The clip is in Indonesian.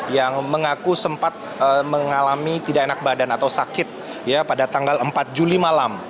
yang mengaku sempat mengalami tidak enak badan atau sakit pada tanggal empat juli malam